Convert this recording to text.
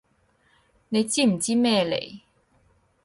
你知唔知咩嚟？